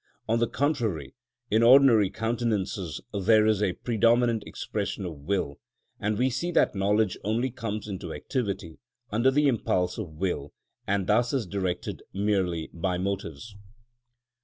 On the contrary, in ordinary countenances there is a predominant expression of will; and we see that knowledge only comes into activity under the impulse of will, and thus is directed merely by motives.